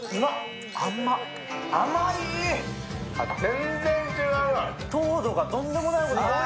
全然違う。